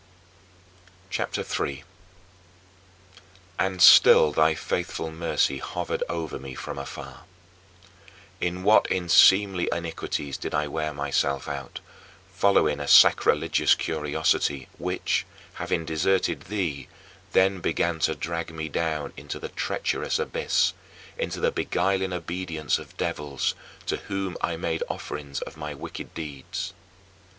CHAPTER III 5. And still thy faithful mercy hovered over me from afar. In what unseemly iniquities did I wear myself out, following a sacrilegious curiosity, which, having deserted thee, then began to drag me down into the treacherous abyss, into the beguiling obedience of devils, to whom I made offerings of my wicked deeds.